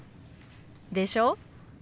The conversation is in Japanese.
でしょ？